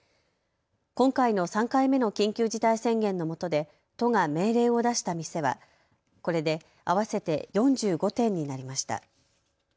今回の３回目の緊急事態宣言のもとで都が命令を出した店はこれで合わせて４５店になりました。